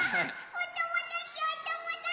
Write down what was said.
おともだちおともだち！